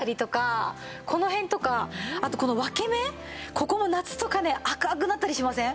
ここも夏とかね赤くなったりしません？